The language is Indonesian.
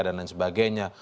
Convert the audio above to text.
dan lain sebagainya